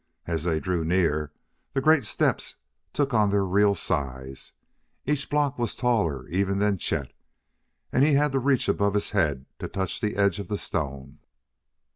As they drew near, the great steps took on their real size; each block was taller even than Chet, and he had to reach above his head to touch the edge of the stone.